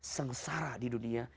sengsara di dunia